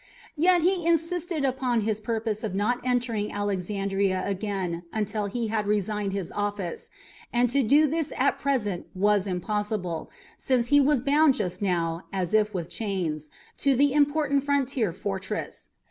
Yet he insisted upon his purpose of not entering Alexandria again until he had resigned his office, and to do this at present was impossible, since he was bound just now, as if with chains, to the important frontier fortress.